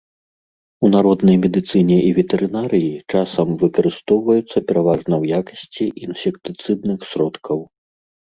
У народнай медыцыне і ветэрынарыі часам выкарыстоўваюцца пераважна ў якасці інсектыцыдных сродкаў.